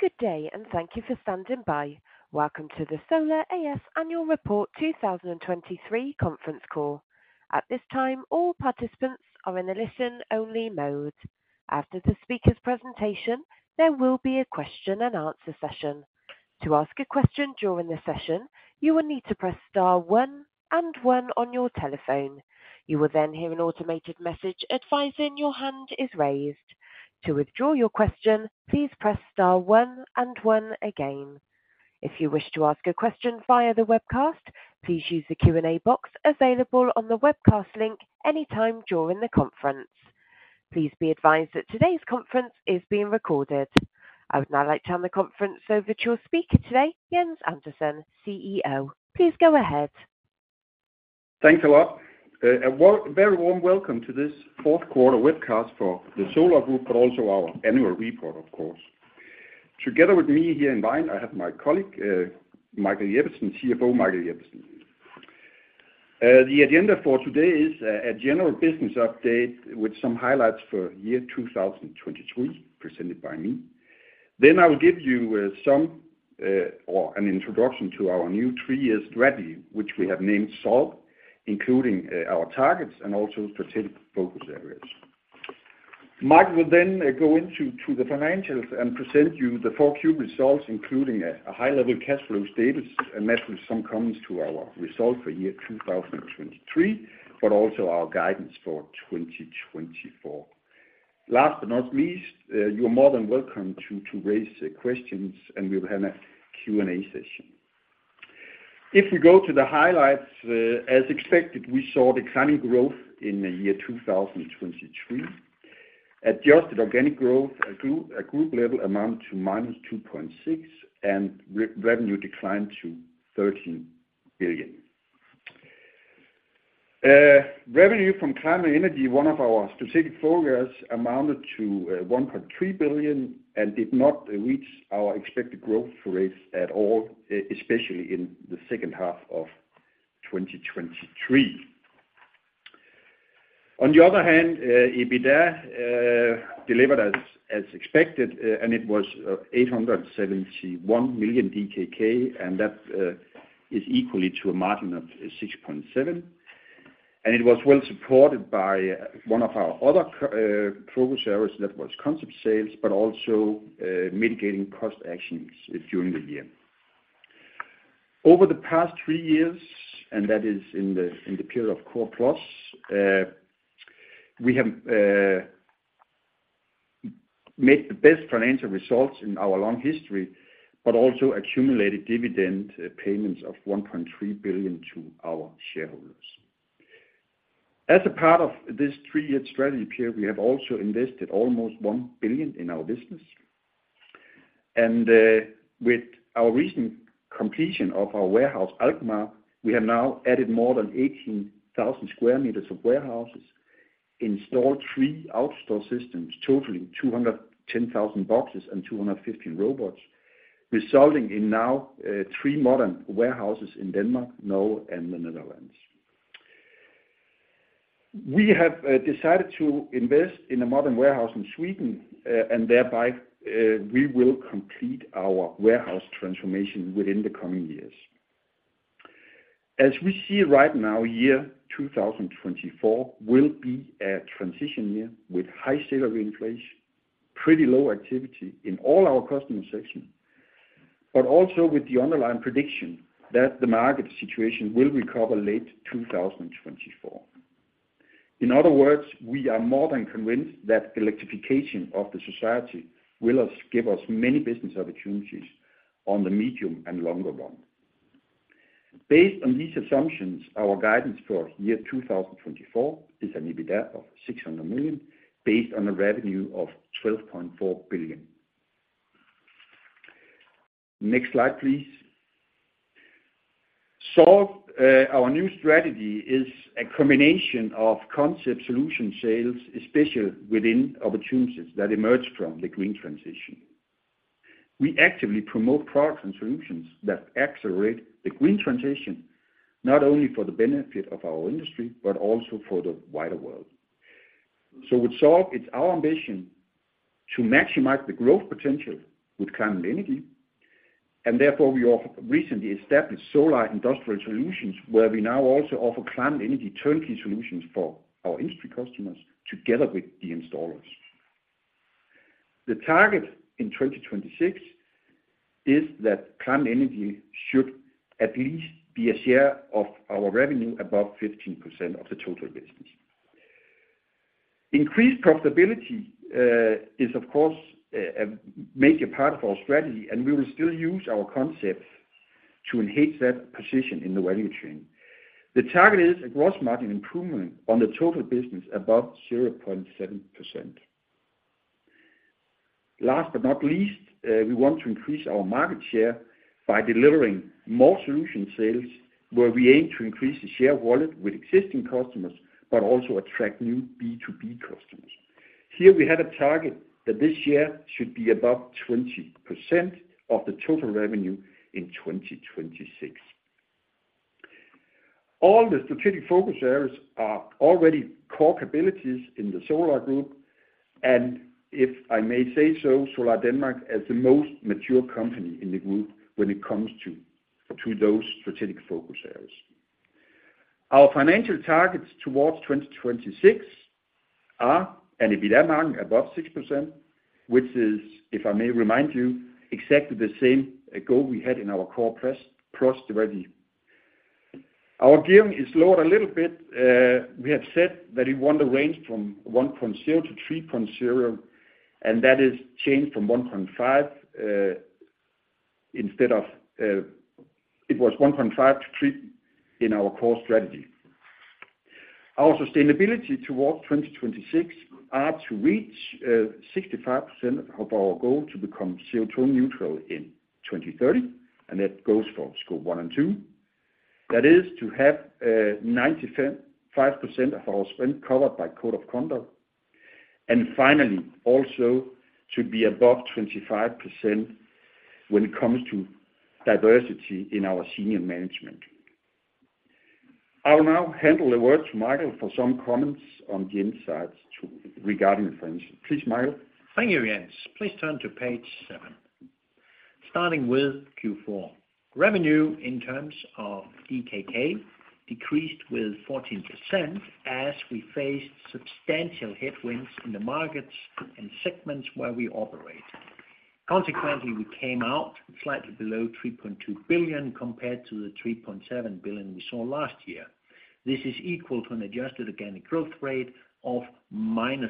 Good day, and thank you for standing by. Welcome to the Solar A/S Annual Report 2023 conference call. At this time, all participants are in a listen-only mode. After the speaker's presentation, there will be a question and answer session. To ask a question during the session, you will need to press star one and one on your telephone. You will then hear an automated message advising your hand is raised. To withdraw your question, please press star one and one again. If you wish to ask a question via the webcast, please use the Q&A box available on the webcast link anytime during the conference. Please be advised that today's conference is being recorded. I would now like to turn the conference over to your speaker today, Jens Andersen, CEO. Please go ahead. Thanks a lot. Very warm welcome to this Fourth Quarter webcast for the Solar Group, but also our annual report, of course. Together with me here online, I have my colleague, Michael Jeppesen, CFO, Michael Jeppesen. The agenda for today is a general business update with some highlights for year 2023, presented by me. Then I will give you some, or an introduction to our new three-year strategy, which we have named Solve, including our targets and also strategic focus areas. Michael will then go into the financials and present you the Q4 results, including a high-level cash flow status, and that with some comments to our results for year 2023, but also our guidance for 2024. Last but not least, you're more than welcome to raise questions, and we'll have a Q&A session. If we go to the highlights, as expected, we saw declining growth in the year 2023. Adjusted organic growth, at group level amounted to -2.6, and revenue declined to 13 billion. Revenue from Climate & Energy, one of our strategic focus, amounted to 1.3 billion and did not reach our expected growth rates at all, especially in the second half of 2023. On the other hand, EBITDA delivered as expected, and it was 871 million DKK, and that is equal to a margin of 6.7%. It was well supported by one of our other focus areas, and that was concept sales, but also mitigating cost actions during the year. Over the past three years, and that is in the period of Core+, we have made the best financial results in our long history, but also accumulated dividend payments of 1.3 billion to our shareholders. As a part of this three-year strategy period, we have also invested almost 1 billion in our business. With our recent completion of our warehouse, Alkmaar, we have now added more than 18,000 square meters of warehouses, installed three AutoStore systems, totaling 210,000 boxes and 250 robots, resulting in now three modern warehouses in Denmark, Norway, and the Netherlands. We have decided to invest in a modern warehouse in Sweden, and thereby, we will complete our warehouse transformation within the coming years. As we see right now, 2024 will be a transition year with high rate of inflation, pretty low activity in all our customer sections, but also with the underlying prediction that the market situation will recover late 2024. In other words, we are more than convinced that electrification of the society will give us many business opportunities on the medium and longer run. Based on these assumptions, our guidance for 2024 is an EBITDA of 600 million, based on a revenue of 12.4 billion. Next slide, please. So, our new strategy is a combination of concept solution sales, especially within opportunities that emerge from the green transition. We actively promote products and solutions that accelerate the green transition, not only for the benefit of our industry, but also for the wider world. With Solve, it's our ambition to maximize the growth potential with climate energy, and therefore, we have recently established Solar Industrial Solutions, where we now also offer climate energy turnkey solutions for our industry customers together with the installers. The target in 2026 is that climate energy should at least be a share of our revenue, above 15% of the total business. Increased profitability is, of course, a major part of our strategy, and we will still use our concepts to enhance that position in the value chain. The target is a gross margin improvement on the total business above 0.7%. Last but not least, we want to increase our market share by delivering more solution sales, where we aim to increase the share of wallet with existing customers, but also attract new B2B customers. Here we have a target that this year should be above 20% of the total revenue in 2026. All the strategic focus areas are already core capabilities in the Solar group, and if I may say so, Solar Denmark is the most mature company in the group when it comes to those strategic focus areas. Our financial targets towards 2026 are an EBITDA margin above 6%, which is, if I may remind you, exactly the same goal we had in our Core+ strategy. Our gearing is lowered a little bit, we have said that it is in the range 1.0-3.0, and that is changed from 1.5, instead of, it was 1.5-3 in our core strategy. Our sustainability towards 2026 are to reach 65% of our goal to become CO2 neutral in 2030, and that goes for Scope 1 and 2. That is to have 95% of our spend covered by Code of Conduct, and finally, also to be above 25% when it comes to diversity in our senior management. I will now hand over the word to Michael for some comments on the insights to regarding the financial. Please, Michael. Thank you, Jens. Please turn to page 7. Starting with Q4. Revenue in terms of DKK decreased with 14% as we faced substantial headwinds in the markets and segments where we operate. Consequently, we came out slightly below 3.2 billion compared to the 3.7 billion we saw last year. This is equal to an adjusted organic growth rate of -11%.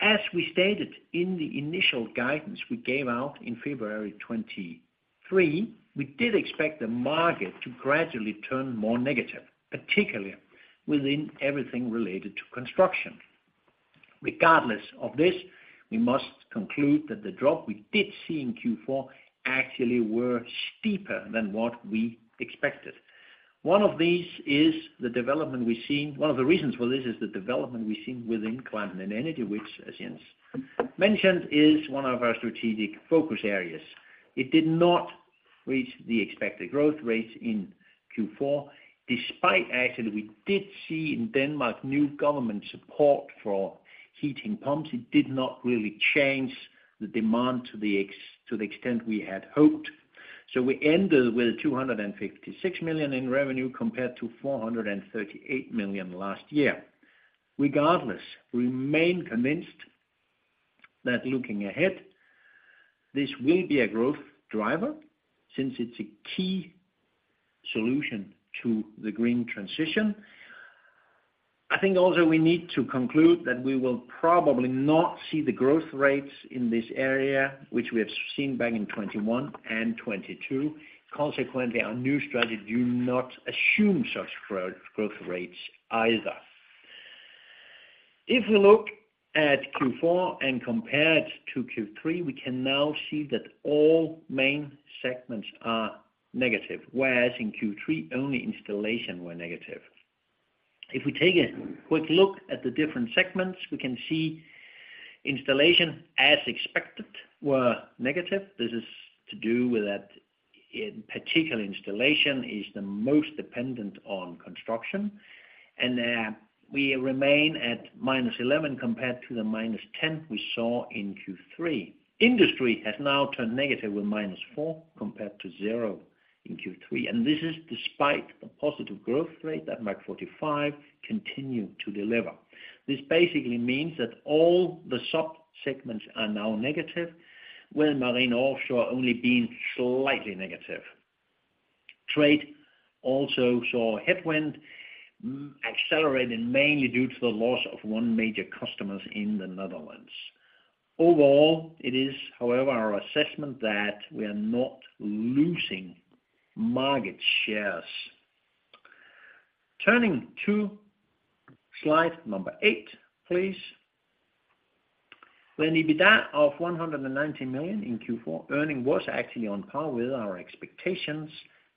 As we stated in the initial guidance we gave out in February 2023, we did expect the market to gradually turn more negative, particularly within everything related to construction. Regardless of this, we must conclude that the drop we did see in Q4 actually were steeper than what we expected. One of the reasons for this is the development we've seen within climate and energy, which, as Jens mentioned, is one of our strategic focus areas. It did not reach the expected growth rates in Q4, despite actually we did see in Denmark, new government support for heat pumps. It did not really change the demand to the extent we had hoped. So we ended with 256 million in revenue, compared to 438 million last year. Regardless, we remain convinced that looking ahead, this will be a growth driver since it's a key solution to the green transition. I think also we need to conclude that we will probably not see the growth rates in this area, which we have seen back in 2021 and 2022. Consequently, our new strategy do not assume such growth, growth rates either. If we look at Q4 and compare it to Q3, we can now see that all main segments are negative, whereas in Q3, only Installation were negative. If we take a quick look at the different segments, we can see Installation, as expected, were negative. This is to do with that in particular, Installation is the most dependent on construction, and we remain at -11 compared to the -10 we saw in Q3. Industry has now turned negative with -4 compared to 0 in Q3, and this is despite the positive growth rate that MAG45 continue to deliver. This basically means that all the sub-segments are now negative, with Marine Offshore only being slightly negative. Trade also saw headwind accelerating, mainly due to the loss of one major customers in the Netherlands. Overall, it is, however, our assessment that we are not losing market shares. Turning to slide 8, please. When EBITDA of 190 million in Q4, earning was actually on par with our expectations,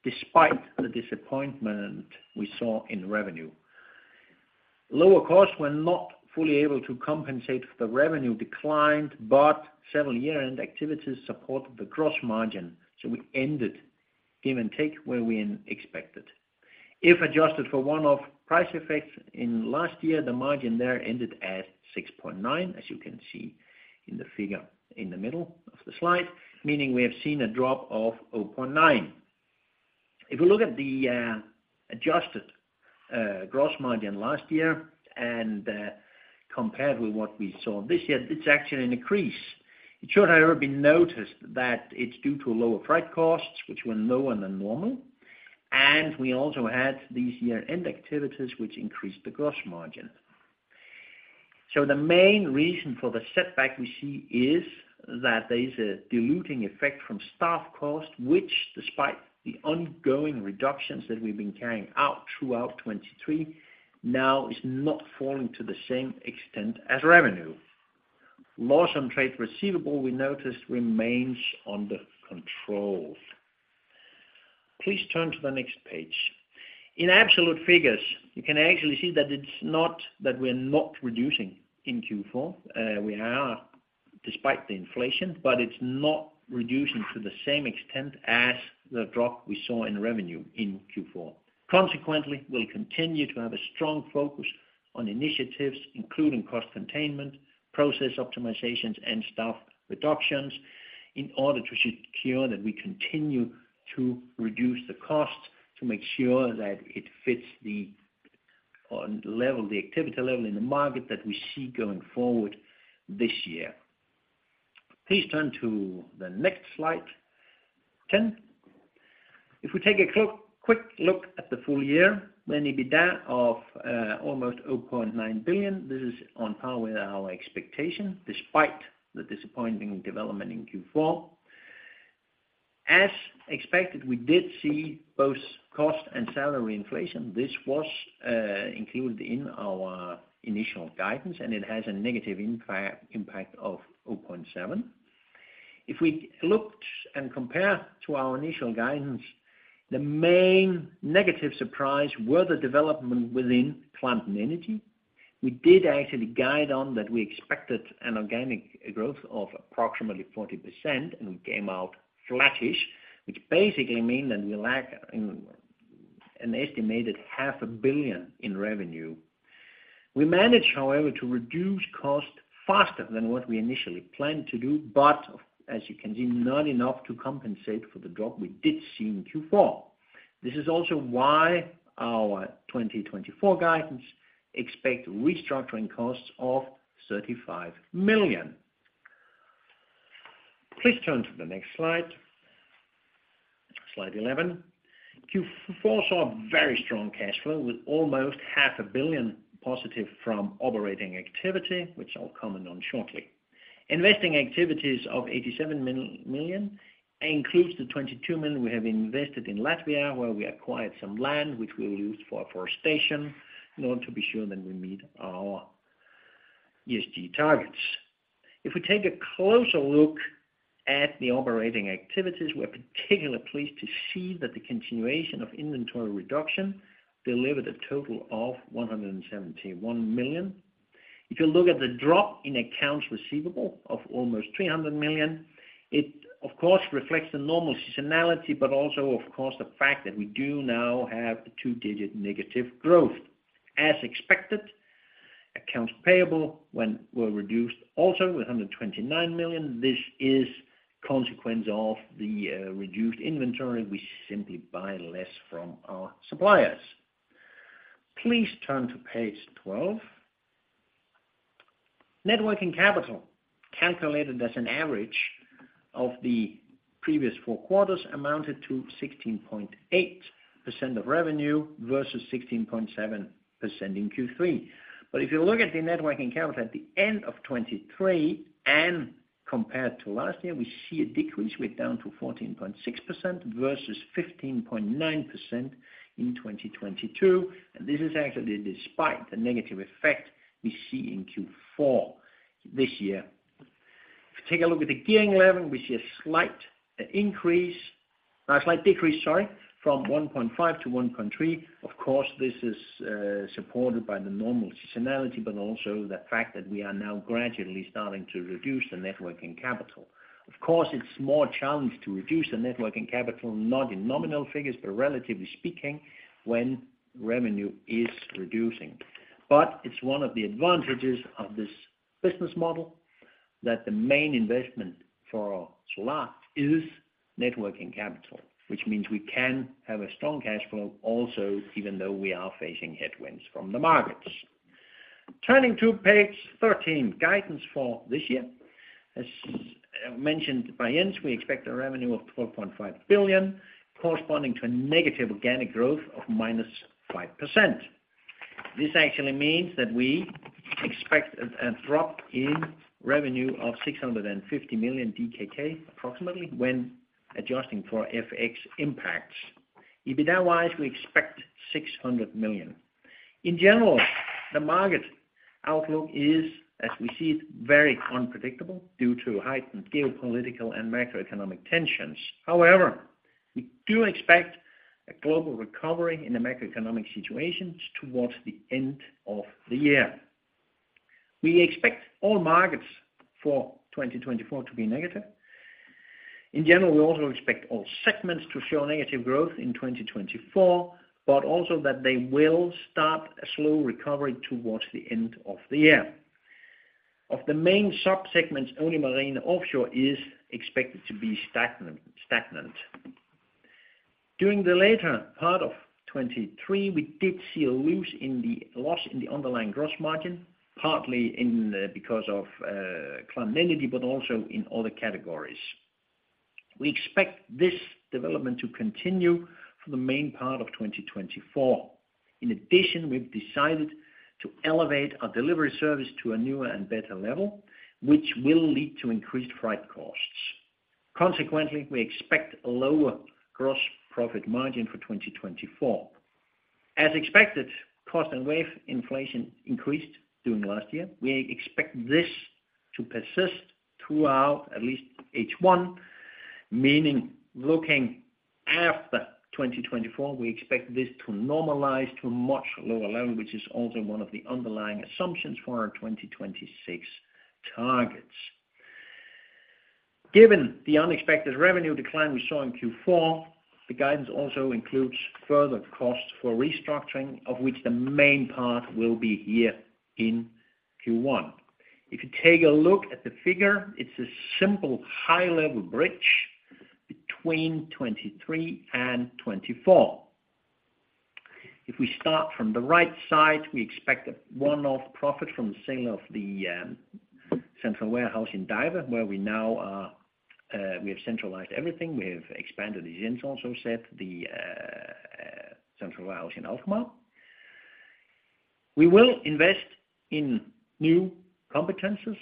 despite the disappointment we saw in revenue. Lower costs were not fully able to compensate for the revenue declined, but several year-end activities supported the gross margin, so we ended, give and take, where we expected. If adjusted for one-off price effects in last year, the margin there ended at 6.9%, as you can see in the figure in the middle of the slide, meaning we have seen a drop of 0.9%. If you look at the adjusted gross margin last year and compared with what we saw this year, it's actually an increase. It should, however, be noticed that it's due to lower freight costs, which were lower than normal, and we also had these year-end activities, which increased the gross margin. So the main reason for the setback we see is that there is a diluting effect from staff costs, which, despite the ongoing reductions that we've been carrying out throughout 2023, now is not falling to the same extent as revenue. Loss on trade receivable, we noticed, remains under control. Please turn to the next page. In absolute figures, you can actually see that it's not that we're not reducing in Q4. We are, despite the inflation, but it's not reducing to the same extent as the drop we saw in revenue in Q4. Consequently, we'll continue to have a strong focus on initiatives, including cost containment, process optimizations, and staff reductions, in order to secure that we continue to reduce the cost to make sure that it fits the level, the activity level in the market that we see going forward this year. Please turn to the next slide 10. If we take a quick look at the full year, the EBITDA of almost 0.9 billion, this is on par with our expectation, despite the disappointing development in Q4. As expected, we did see both cost and salary inflation. This was included in our initial guidance, and it has a negative impact of 0.7. If we looked and compare to our initial guidance, the main negative surprise were the development within climate and energy. We did actually guide on that we expected an organic growth of approximately 40%, and we came out flattish, which basically mean that we lack an estimated 500 million in revenue. We managed, however, to reduce cost faster than what we initially planned to do, but as you can see, not enough to compensate for the drop we did see in Q4. This is also why our 2024 guidance expect restructuring costs of 35 million. Please turn to the next slide. Slide 11, Q4 saw very strong cash flow, with almost 500 million positive from operating activity, which I'll comment on shortly. Investing activities of 87 million includes the 22 million we have invested in Latvia, where we acquired some land which we'll use for forestation in order to be sure that we meet our ESG targets. If we take a closer look at the operating activities, we're particularly pleased to see that the continuation of inventory reduction delivered a total of 171 million. If you look at the drop in accounts receivable of almost 300 million, it, of course, reflects the normal seasonality, but also, of course, the fact that we do now have two-digit negative growth. As expected, accounts payable when were reduced also with 129 million. This is consequence of the reduced inventory. We simply buy less from our suppliers. Please turn to page 12. Net working capital, calculated as an average of the previous four quarters, amounted to 16.8% of revenue, versus 16.7% in Q3. But if you look at the net working capital at the end of 2023 and compared to last year, we see a decrease. We're down to 14.6% versus 15.9% in 2022, and this is actually despite the negative effect we see in Q4 this year. If you take a look at the gearing level, we see a slight increase, a slight decrease, sorry, from 1.5-1.3. Of course, this is supported by the normal seasonality, but also the fact that we are now gradually starting to reduce the net working capital. Of course, it's more challenged to reduce the net working capital, not in nominal figures, but relatively speaking, when revenue is reducing. But it's one of the advantages of this business model, that the main investment for Solar is net working capital, which means we can have a strong cash flow also, even though we are facing headwinds from the markets. Turning to page 13, guidance for this year. As mentioned by Jens, we expect a revenue of 12.5 billion, corresponding to a negative organic growth of -5%. This actually means that we expect a drop in revenue of 650 million DKK, approximately, when adjusting for FX impacts. EBITDA-wise, we expect 600 million. In general, the market outlook is, as we see it, very unpredictable due to heightened geopolitical and macroeconomic tensions. However, we do expect a global recovery in the macroeconomic situations towards the end of the year. We expect all markets for 2024 to be negative. In general, we also expect all segments to show negative growth in 2024, but also that they will start a slow recovery towards the end of the year. Of the main sub-segments, only marine offshore is expected to be stagnant. During the later part of 2023, we did see a loss in the underlying gross margin, partly in, because of, climate energy, but also in other categories. We expect this development to continue for the main part of 2024. In addition, we've decided to elevate our delivery service to a newer and better level, which will lead to increased freight costs. Consequently, we expect a lower gross profit margin for 2024. As expected, cost and wage inflation increased during last year. We expect this to persist throughout at least H1. Meaning looking after 2024, we expect this to normalize to a much lower level, which is also one of the underlying assumptions for our 2026 targets. Given the unexpected revenue decline we saw in Q4, the guidance also includes further costs for restructuring, of which the main part will be here in Q1. If you take a look at the figure, it's a simple high-level bridge between 2023 and 2024. If we start from the right side, we expect a one-off profit from the sale of the central warehouse in Vejen, where we now are, we have centralized everything. We have expanded, as Jens also said, the central warehouse in Alkmaar. We will invest in new competencies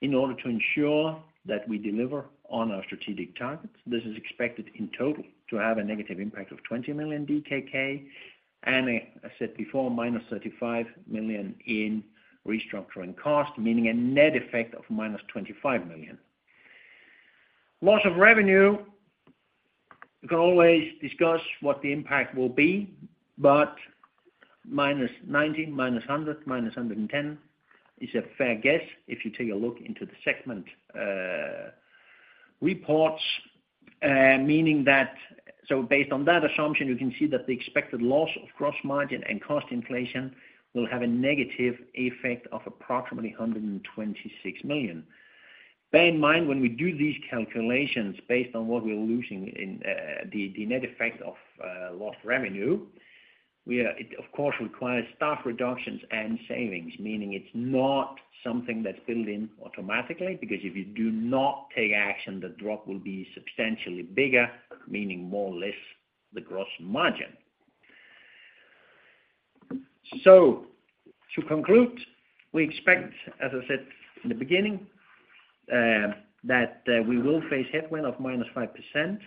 in order to ensure that we deliver on our strategic targets. This is expected in total to have a negative impact of 20 million DKK and, as I said before, minus 35 million in restructuring costs, meaning a net effect of minus 25 million. Loss of revenue, we can always discuss what the impact will be, but -90, -100, -110 is a fair guess if you take a look into the segment reports. Meaning that, so based on that assumption, you can see that the expected loss of gross margin and cost inflation will have a negative effect of approximately 126 million. Bear in mind, when we do these calculations based on what we're losing in the net effect of lost revenue, we are, it, of course, requires staff reductions and savings, meaning it's not something that's built in automatically, because if you do not take action, the drop will be substantially bigger, meaning more less the gross margin. So to conclude, we expect, as I said in the beginning, that we will face headwind of -5%.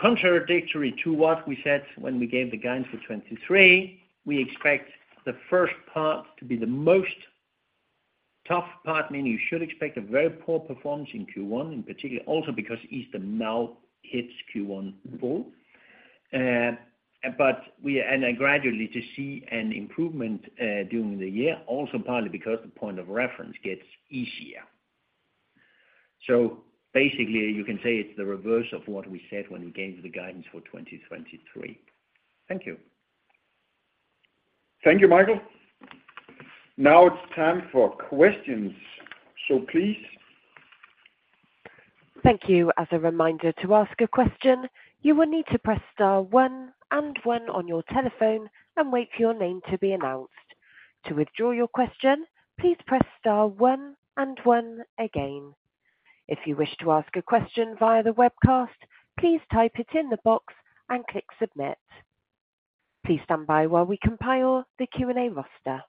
Contrary to what we said when we gave the guidance for 2023, we expect the first part to be the most tough part, meaning you should expect a very poor performance in Q1, in particular, also because Easter now hits Q1 full. But and then gradually to see an improvement during the year, also partly because the point of reference gets easier. So basically, you can say it's the reverse of what we said when we gave the guidance for 2023. Thank you. Thank you, Michael. Now it's time for questions, so please. Thank you. As a reminder, to ask a question, you will need to press star one and one on your telephone and wait for your name to be announced. To withdraw your question, please press star one and one again. If you wish to ask a question via the webcast, please type it in the box and click submit. Please stand by while we compile the Q&A roster.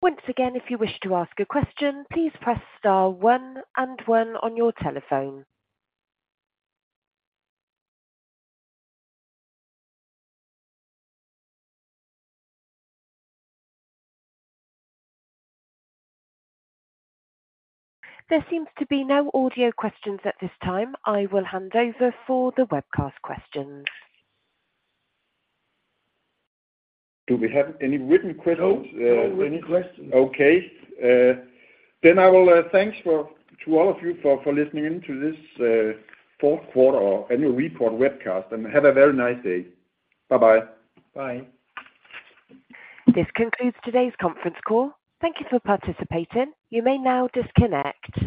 Once again, if you wish to ask a question, please press star one and one on your telephone. There seems to be no audio questions at this time. I will hand over for the webcast questions. Do we have any written questions? No, no written questions. Okay, then I will, thanks for, to all of you for, for listening in to this, fourth quarter or annual report webcast, and have a very nice day. Bye-bye. Bye. This concludes today's conference call. Thank you for participating. You may now disconnect.